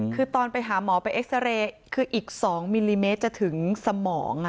คือตอนไปหาหมอไปเอ็กซาเรย์คืออีก๒มิลลิเมตรจะถึงสมอง